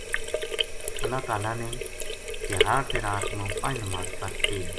اللہ تعالی نے تیہاڑ تے رات ما پنج نماز فرض کی ہیں۔